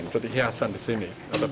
jadi hiasan di sini